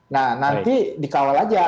nah nanti dikawal aja